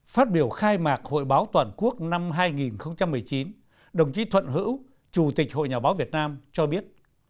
phát biểu khai mạc hội báo toàn quốc năm hai nghìn một mươi chín đồng chí thuận hữu chủ tịch hội nhà báo việt nam cho biết